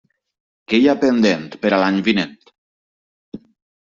Què hi ha pendent per a l'any vinent?